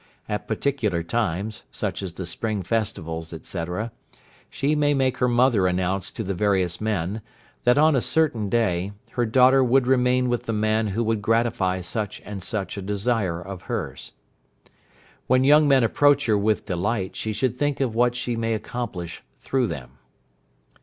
At particular times, such as the Spring Festivals, etc., she should make her mother announce to the various men, that on a certain day her daughter would remain with the man who would gratify such and such a desire of hers. When young men approach her with delight, she should think of what she may accomplish through them.